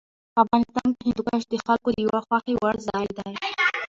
افغانستان کې هندوکش د خلکو د خوښې وړ ځای دی.